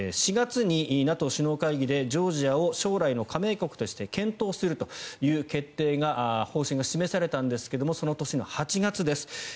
４月にＮＡＴＯ首脳会議でジョージアを将来の加盟国として検討するという方針が示されたんですがその年の８月です